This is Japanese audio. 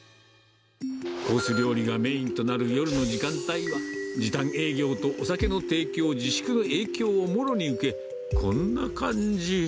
コース料理がメインとなる夜の時間帯は、時短営業とお酒の提供自粛の影響をもろに受け、こんな感じ。